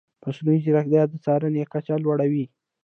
مصنوعي ځیرکتیا د څارنې کچه لوړه وي.